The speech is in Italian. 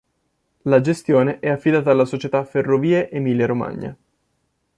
La gestione è affidata alla società Ferrovie Emilia Romagna.